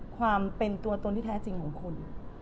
ความเป็นตัวตนที่แท้จริงของคุณ